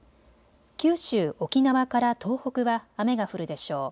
九州沖縄から東北は雨が降るでしょう。